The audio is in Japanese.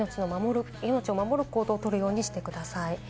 命を守る行動をとるようにしてください。